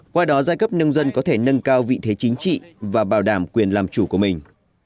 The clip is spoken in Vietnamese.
qua đó giai cấp nông dân có thể nâng cao vị thế chính trị và bảo đảm quyền làm chủ của mình